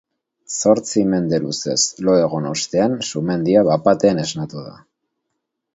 Zortzi mende luzez lo egon ostean sumendia bapatean esnatu da.